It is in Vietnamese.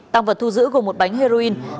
tăng vật thu giữ gồm một bánh heroin